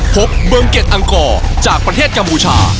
พบเมืองเก็ตอังกอร์จากประเทศกัมพูชา